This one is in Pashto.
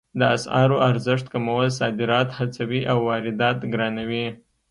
د اسعارو ارزښت کمول صادرات هڅوي او واردات ګرانوي